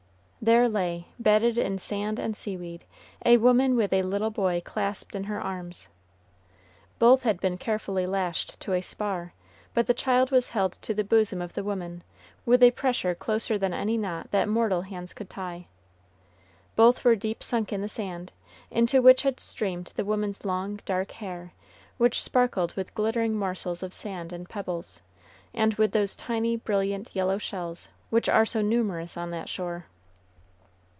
There lay, bedded in sand and seaweed, a woman with a little boy clasped in her arms! Both had been carefully lashed to a spar, but the child was held to the bosom of the woman, with a pressure closer than any knot that mortal hands could tie. Both were deep sunk in the sand, into which had streamed the woman's long, dark hair, which sparkled with glittering morsels of sand and pebbles, and with those tiny, brilliant, yellow shells which are so numerous on that shore.